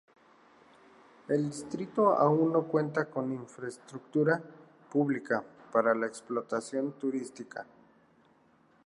El distrito aun no cuenta con infraestructura pública para la explotación turística.